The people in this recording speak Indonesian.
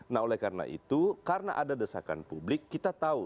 nah oleh karena itu karena ada desakan publik kita tahu